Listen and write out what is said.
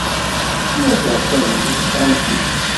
Baba atan deg texxamt-is.